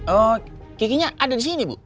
oh kikinya ada di sini bu